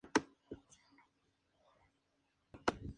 Hemos alterado las capturas y edición de este reportaje